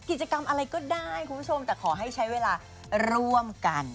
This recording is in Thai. กิจกรรมอะไรก็ได้คุณผู้ชมแต่ขอให้ใช้เวลาร่วมกัน